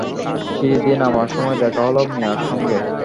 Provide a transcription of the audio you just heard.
সিঁড়ি দিয়ে নামার সময় দেখা হল মিয়ার সঙ্গে।